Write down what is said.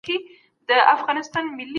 د مطالعې نسل ټولنه له جذباتو څخه خلاصوي.